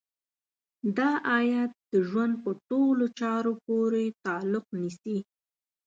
دا ايت د ژوند په ټولو چارو پورې تعلق نيسي.